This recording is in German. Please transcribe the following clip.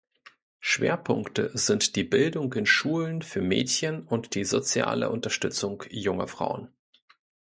Schwerpunkte sind die Bildung in Schulen für Mädchen und die soziale Unterstützung junger Frauen.